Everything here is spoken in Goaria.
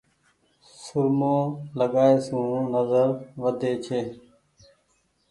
سرمو لگآئي سون نزر وڌي ڇي۔